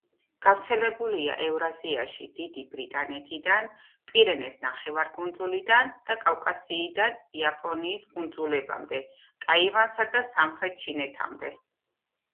გავრცელებულია ევრაზიაში დიდი ბრიტანეთიდან, პირენეს ნახევარკუნძულიდან და კავკასიიდან იაპონიის კუნძულებამდე, ტაივანსა და სამხრეთ ჩინეთამდე.